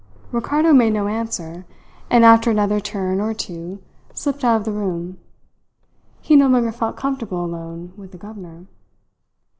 Ricardo made no answer, and after another turn or two slipped out of the room. He no longer felt comfortable alone with the governor.